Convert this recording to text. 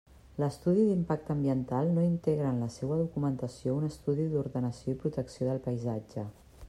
L'estudi d'impacte ambiental no integra en la seua documentació un estudi d'ordenació i protecció del paisatge.